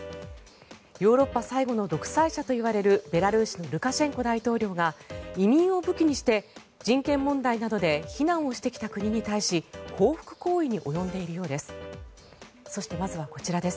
ヨーロッパ最後の独裁者と呼ばれるベラルーシのルカシェンコ大統領が移民を武器にして、人権問題で非難をしてきた国に対し報復行為に及んでいるようです。